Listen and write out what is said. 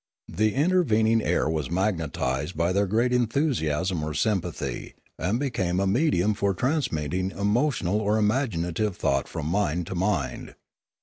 The intervening air was magnetised by their great enthusiasm or sympathy, and became a medium for transmitting emotional or imaginative thought from mind to mind.